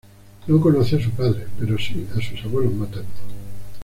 No conoció a su padre, pero sí a sus abuelos maternos.